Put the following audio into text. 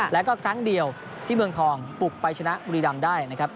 แล้วก็ครั้งเดียวที่เมืองทองปลุกไปชนะบุรีรำได้นะครับ